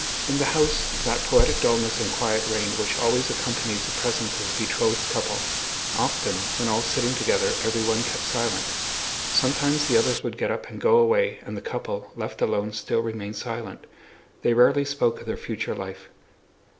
In the house that poetic dullness and quiet reigned which always accompanies the presence of a betrothed couple. Often when all sitting together everyone kept silent. Sometimes the others would get up and go away and the couple, left alone, still remained silent. They rarely spoke of their future life.